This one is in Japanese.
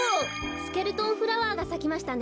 スケルトンフラワーがさきましたね。